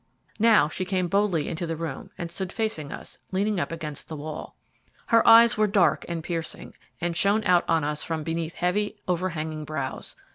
Now she came boldly into the room, and stood facing us, leaning up against the wall. Her eyes were dark and piercing, and shone out on us from beneath heavy, overhanging brows.